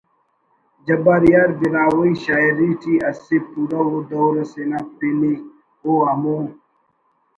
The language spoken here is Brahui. جبار یار براہوئی شاعری ٹی اسہ پُورو ءُ دور اسے نا پن ءِ او ہمو